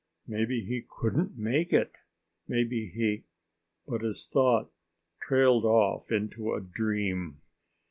Maybe he couldn't make it. Maybe he.... But his thought trailed off into a dream.